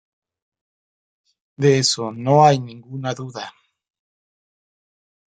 De eso no hay ninguna duda.